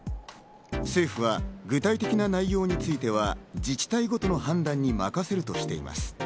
政府は具体的な内容については、自治体ごとの判断に任せるとしています。